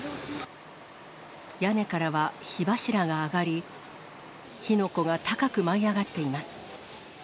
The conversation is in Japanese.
屋根からは火柱が上がり、火の粉が高く舞い上がっています。